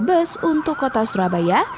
bus untuk kota surabaya